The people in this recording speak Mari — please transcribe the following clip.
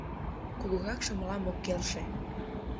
— Кугуракше мылам ок келше.